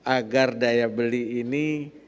agar daya beli ini